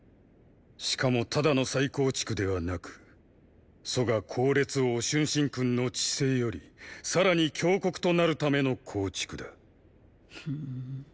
しかもただの再構築ではなく楚が考烈王・春申君の治世よりさらに強国となるための構築だ。